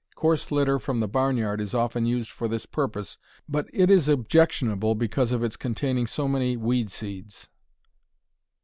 Coarse litter from the barn yard is often used for this purpose, but it is objectionable because of its containing so many weed seeds.